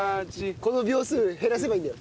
この秒数減らせばいいんだよ。